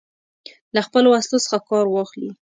له خپلو وسلو څخه کار واخلي.